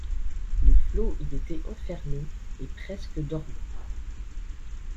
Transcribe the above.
Le flot y était enfermé et presque dormant.